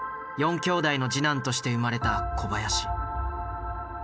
４きょうだいの次男として生まれた小林。